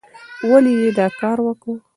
ولې یې دا کار وکه؟